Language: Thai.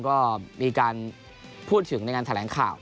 ก็มีการพูดถึงในงานแถลงข่าว